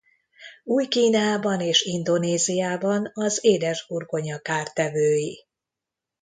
Új-Guineában és Indonéziában az édesburgonya kártevői.